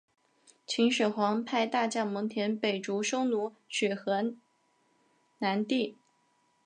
秦始皇派大将蒙恬北逐匈奴取河南地。